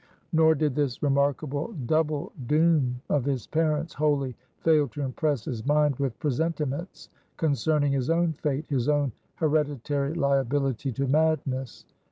Nor did this remarkable double doom of his parents wholly fail to impress his mind with presentiments concerning his own fate his own hereditary liability to madness.